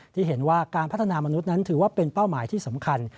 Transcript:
ที่เห็นว่าการพัฒนามนุษย์นั้นถือว่าเป็นเป้าหมายที่สำคัญ